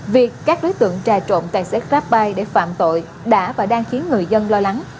việc các đối tượng trà trộn tài xế grabbuy để phạm tội đã và đang khiến người dân lo lắng